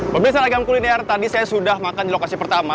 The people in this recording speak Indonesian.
pemirsa ragam kuliner tadi saya sudah makan di lokasi pertama